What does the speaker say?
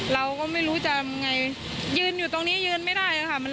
เราก็ไม่รู้จะไงยืนอยู่ตรงนี้ยืนไม่ได้ค่ะ